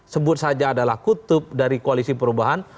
sebut saja adalah kutub dari koalisi perubahan